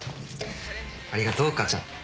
ありがとう母ちゃん。